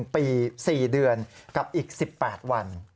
ปี๔เดือนกับอีก๑๘วัน